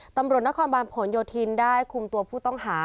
ตำรวจหน้าคลอนบันผลหยดทีนได้คุมตัวผู้ต้องหา